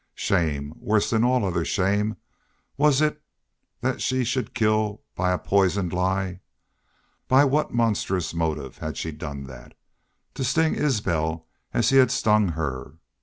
Shame worse than all other shame was it that she should kill it by a poisoned lie. By what monstrous motive had she done that? To sting Isbel as he had stung her!